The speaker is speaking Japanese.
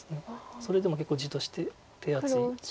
それでも結構地として手厚いです。